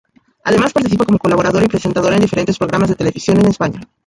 Además participa como colaboradora y presentadora en diferentes programas de televisión en España.